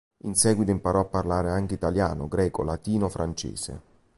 In seguito imparò a parlare anche italiano, greco, latino, francese.